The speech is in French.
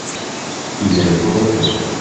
Ils n'avaient point d'enfants